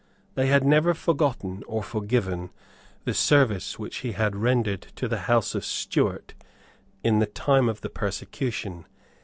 They had never forgotten or forgiven the service which he had rendered to the House of Stuart in the time of the persecution.